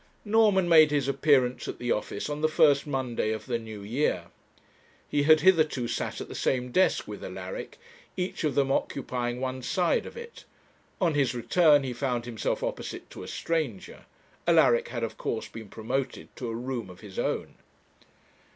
Norman made his appearance at the office on the first Monday of the new year. He had hitherto sat at the same desk with Alaric, each of them occupying one side of it; on his return he found himself opposite to a stranger. Alaric had, of course, been promoted to a room of his own.